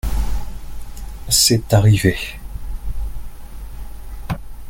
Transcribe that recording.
c'est arrivé.